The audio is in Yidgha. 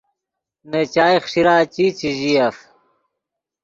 نے چائے خݰیرا چی، چے ژییف